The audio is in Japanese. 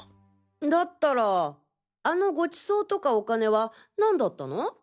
だったらあのごちそうとかお金はなんだったの？